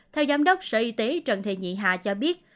theo giám đốc sở y tế trần thị nhị hà cho biết